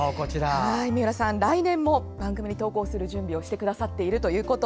三浦さん、来年も番組に投稿する準備をしていると。